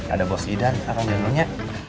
ada bos idan orang jenernya